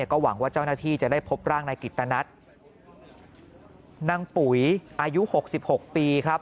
ก็หวังว่าเจ้าหน้าที่จะได้พบร่างนายกิตนัทนางปุ๋ยอายุหกสิบหกปีครับ